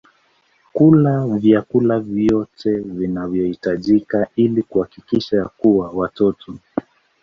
kula vyakula vyote vinavyohitajika ili kuhakikisha kuwa watoto